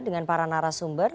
dengan para narasumber